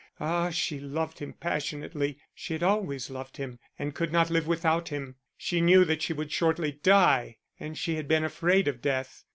Ah, she loved him passionately, she had always loved him and could not live without him. She knew that she would shortly die and she had been afraid of death.